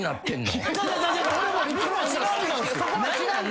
違う違う。